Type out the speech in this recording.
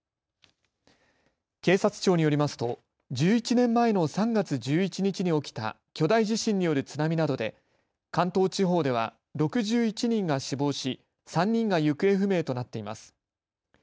警察庁によりますと１１年前の３月１１日に起きた巨大地震による津波などで関東地方では６１人が死亡し、３人が行方不明となっています。